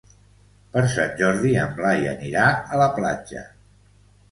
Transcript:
Per Sant Jordi en Blai anirà a la platja.